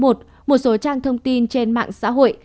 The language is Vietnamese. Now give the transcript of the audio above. một số trang thông tin trên mạng xã hội